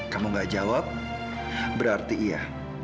kamu gak jawab berarti iya